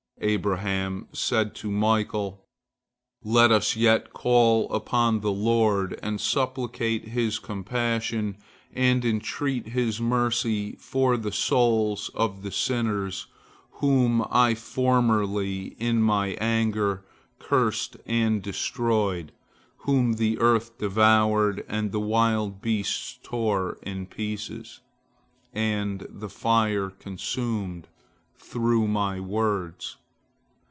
Abraham said to Michael, "Let us yet call upon the Lord and supplicate His compassion and entreat His mercy for the souls of the sinners whom I formerly, in my anger, cursed and destroyed, whom the earth devoured, and the wild beasts tore in pieces, and the fire consumed, through my words.